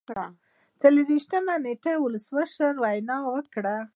څلور ویشتم نیټې ولسمشر وینا وکړه.